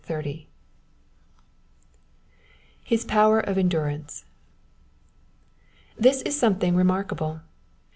HIS POWER OF ENDURANCE. This is something remarkable.